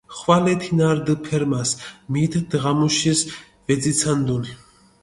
ხვალე თინა რდჷ ფერმას, მით დღამუშის ვეძიცანდუნ.